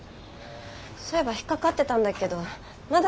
そういえば引っ掛かってたんだけどまだ